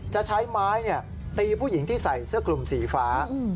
จะใช้ไม้ตีผู้หญิงที่ใส่เสื้อกลุ่มสีฟ้า